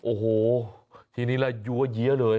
โอ้โหทีนี้และเยอะเยอะเลย